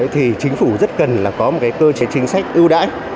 thì chính phủ rất cần là có một cơ chế chính sách ưu đãi